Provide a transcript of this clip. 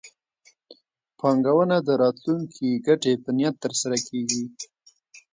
پانګونه د راتلونکي ګټې په نیت ترسره کېږي.